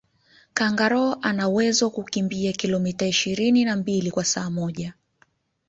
kangaroo anawezo kukimbia kilometa ishirini na mbili kwa saa moja